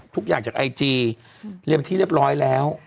ทุกอย่างจากไอจีเรียนที่เรียบร้อยแล้ว